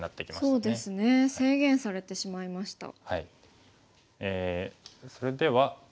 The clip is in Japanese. そうですね制限されてしまいました。